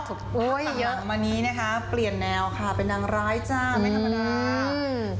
มานี้นะคะเปลี่ยนแนวค่ะเป็นนางร้ายจ้าไม่ธรรมดา